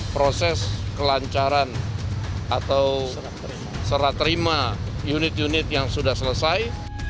proses kelancaran atau seraterima unit unit yang sudah selesai